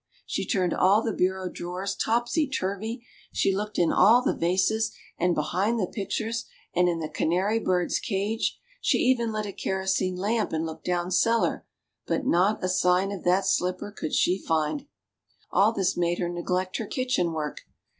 She turned all the bureau drawers topsy turvy ; she looked in all the vases, and behind the pictures, and in the canary bird's cage ; she even lit a kerosene lamp and looked down cellar ; but not a sign of that slipper could she find. All this made her neglect her kitchen work.